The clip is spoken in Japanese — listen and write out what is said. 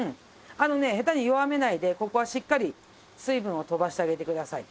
あのね下手に弱めないでここはしっかり水分を飛ばしてあげてください。